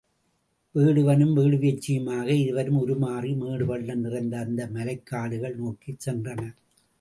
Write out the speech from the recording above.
வேடுவனும் வேடுவச்சியுமாக இருவரும் உருமாறி மேடுபள்ளம் நிறைந்த அந்த மலைக்காடுகள் நோக்கிச் சென்றனர்.